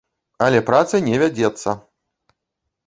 Але праца не вядзецца!